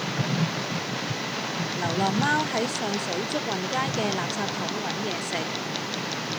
流浪貓喺上水祝運街嘅垃圾桶搵野食